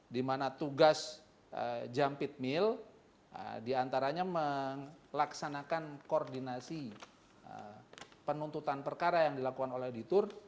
di mana tugas jump pit mill diantaranya melaksanakan koordinasi penuntutan perkara yang dilakukan oleh auditor